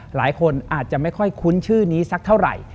หลายคนอาจจะไม่ค่อยคุ้นชื่อนี้สักเท่าไหร่